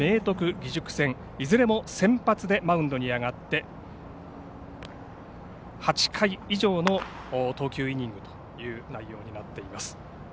義塾戦いずれも先発でマウンドに上がって８回以上の投球イニングという内容になっています。